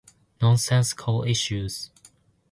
Nonsensical issues.